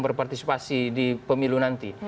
berpartisipasi di pemilu nanti